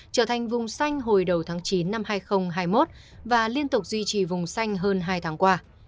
trở thành vùng xanh hồi đầu tháng chín năm hai nghìn hai mươi một và liên tục duy trì vùng xanh hơn hai tháng qua